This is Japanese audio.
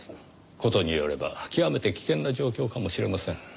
事によれば極めて危険な状況かもしれません。